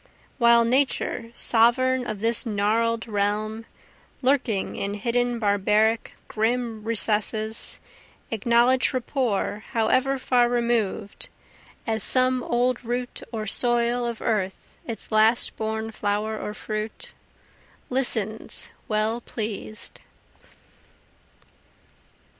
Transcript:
While Nature, sovereign of this gnarl'd realm, Lurking in hidden barbaric grim recesses, Acknowledging rapport however far remov'd, (As some old root or soil of earth its last born flower or fruit,) Listens well pleas'd.